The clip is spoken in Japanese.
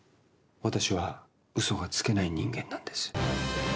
私は嘘がつけない人間なんです。